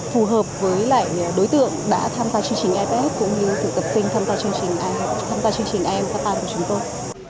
phù hợp với lại đối tượng đã tham gia chương trình eps cũng như tự tập sinh tham gia chương trình amcapa của chúng tôi